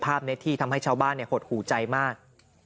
ภาพนี้ที่ทำให้ชาวบ้านหดหูใจมาก